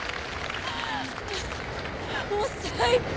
もう最高！